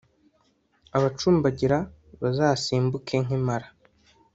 Abacumbagira bazasimbuke nk’impara,